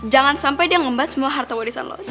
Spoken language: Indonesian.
jangan sampai dia ngembat semua harta warisan allah